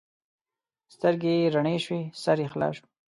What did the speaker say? سترګې یې رڼې شوې؛ سر یې خلاص شو.